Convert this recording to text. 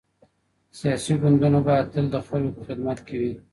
سياسي ګوندونه بايد تل د خلګو په خدمت کي وي.